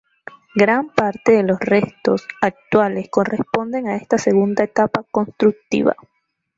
Gran parte de los restos actuales corresponden a esta segunda etapa constructiva.